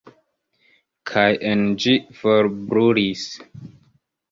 Kaj en ĝi forbrulis.